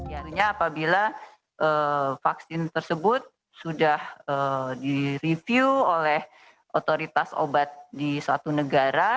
tentunya apabila vaksin tersebut sudah direview oleh otoritas obat di suatu negara